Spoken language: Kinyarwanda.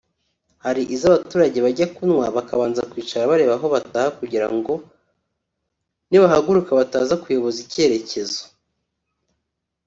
hari izo abaturage bajya kunywa bakabanza kwicara bareba aho bataha kugira ngo ni bahaguruka bataza kuyoboza icyerekezo